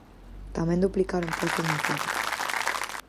Tamén duplicaron postos no Ifevi.